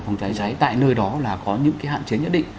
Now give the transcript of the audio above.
phòng cháy cháy tại nơi đó là có những cái hạn chế nhất định